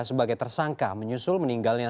sebagai tersangka menyusul meninggalnya